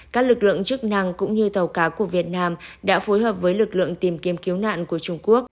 các lực lượng chức năng cũng như tàu cá của việt nam đã phối hợp với lực lượng tìm kiếm cứu nạn của trung quốc